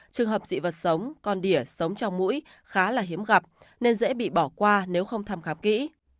trường hợp dị vật sống con đỉa sống trong mũi khá là hiếm gặp nên dễ bị bỏ qua nếu không thăm khám kỹ